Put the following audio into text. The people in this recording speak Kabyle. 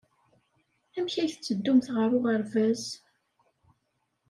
Amek ay tetteddumt ɣer uɣerbaz?